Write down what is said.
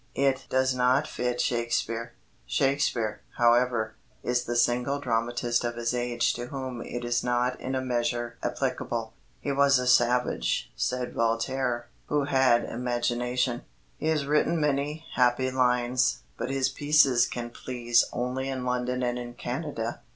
It does not fit Shakespeare. Shakespeare, however, is the single dramatist of his age to whom it is not in a measure applicable. "He was a savage," said Voltaire, "who had imagination. He has written many happy lines; but his pieces can please only in London and in Canada."